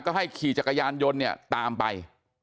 ก็ให้ขี่จักรยานยนต์เนี่ยตามไป